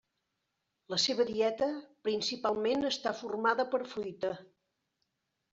La seva dieta principalment està formada per fruita.